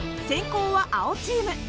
先攻は青チーム。